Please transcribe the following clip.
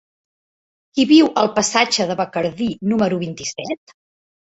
Qui viu al passatge de Bacardí número vint-i-set?